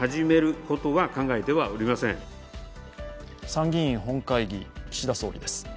参議院本会議、岸田総理です。